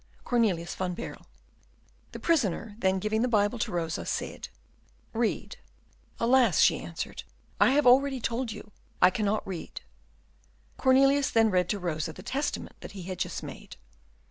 "Cornelius van Baerle." The prisoner then, giving the Bible to Rosa, said, "Read." "Alas!" she answered, "I have already told you I cannot read." Cornelius then read to Rosa the testament that he had just made.